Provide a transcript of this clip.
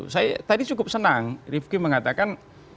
saya tadi cukup senang rifki mengatakan